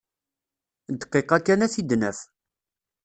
Dqiqa kan ad t-id-naf.